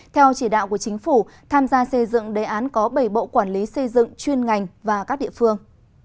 theo chỉ đạo của chính phủ tham gia xây dựng đề án có bảy bộ quản lý xây dựng chuyên ngành và các địa phương